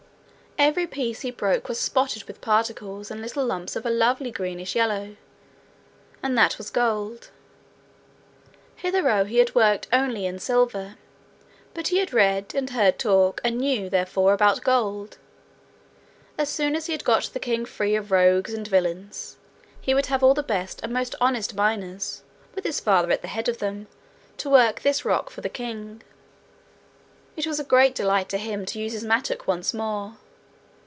Every piece he broke was spotted with particles and little lumps of a lovely greenish yellow and that was gold. Hitherto he had worked only in silver, but he had read, and heard talk, and knew, therefore, about gold. As soon as he had got the king free of rogues and villains, he would have all the best and most honest miners, with his father at the head of them, to work this rock for the king. It was a great delight to him to use his mattock once more.